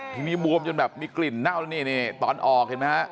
ทีนี้บวมจนแบบมีกลิ่นเน่าแล้วนี่ตอนออกเห็นไหมฮะ